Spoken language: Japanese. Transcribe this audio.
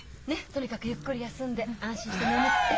とにかくゆっくり休んで安心して眠って。